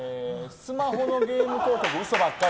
スマホのゲーム広告嘘ばっかり！